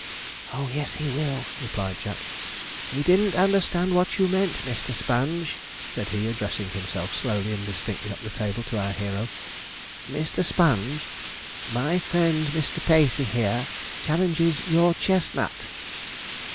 'Oh yes, he will,' replied Jack; 'he didn't understand what you meant. Mr. Sponge,' said he, addressing himself slowly and distinctly up the table to our hero 'Mr. Sponge, my friend Mr. Pacey here challenges your chestnut.'